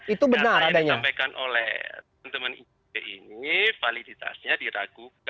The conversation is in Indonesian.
itu benar adanya